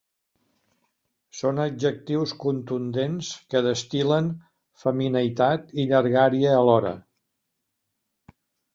Són adjectius contundents que destil·len femineïtat i llargària alhora.